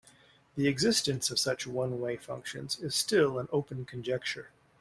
The existence of such one-way functions is still an open conjecture.